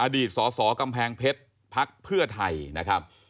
อดีตสสกำแพงเพชรพักเพื่อไทยนะครับ